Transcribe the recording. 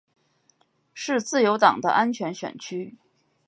是自由党的安全选区。